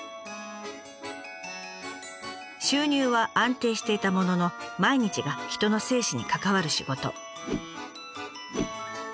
収入は安定していたものの毎日が人の生死に関わる仕事。